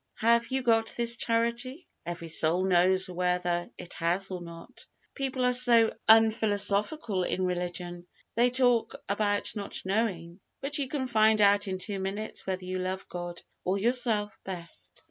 Have you got this Charity? Every soul knows whether it has or not. People are so unphilosophical in religion; they talk about not knowing; but you can find out in two minutes whether you love God or yourself best.